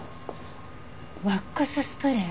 ワックススプレー？